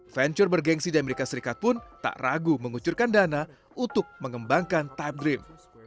venture bergensi di amerika serikat pun tak ragu mengucurkan dana untuk mengembangkan type dream